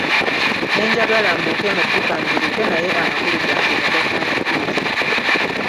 Ne njagala mbuuke mu ppipa nziruke, naye amagulu gange ne gatanzikiriza.